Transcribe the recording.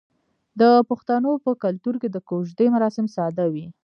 د پښتنو په کلتور کې د کوژدې مراسم ساده وي.